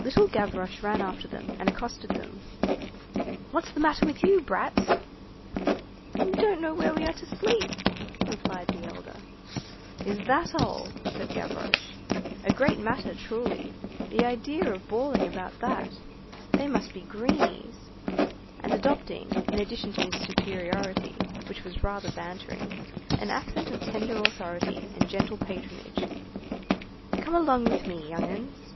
Little Gavroche ran after them and accosted them:— "What's the matter with you, brats?" "We don't know where we are to sleep," replied the elder. "Is that all?" said Gavroche. "A great matter, truly. The idea of bawling about that. They must be greenies!" And adopting, in addition to his superiority, which was rather bantering, an accent of tender authority and gentle patronage:— "Come along with me, young 'uns!"